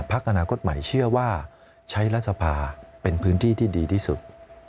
พักอนาคตใหม่เชื่อว่าใช้รัฐสภาเป็นพื้นที่ที่ดีที่สุด